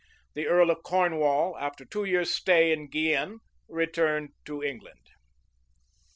The earl of Cornwall, after two years' stay in Guienne, returned to England.